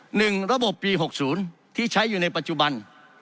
หนึ่งระบบปีหกศูนย์ที่ใช้อยู่ในปัจจุบัน